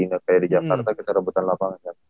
ingat kayak di jakarta kita rebutan lapangan